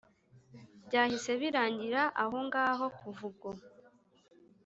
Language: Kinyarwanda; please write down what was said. Byahise birangira ahongaho kuva ubwo